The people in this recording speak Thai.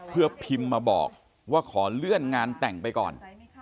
เพื่อพิมพ์มาบอกว่าขอเลื่อนงานแต่งไปก่อน